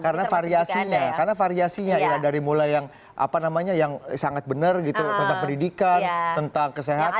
karena variasinya karena variasinya ya dari mulai yang apa namanya yang sangat benar gitu tentang pendidikan tentang kesehatan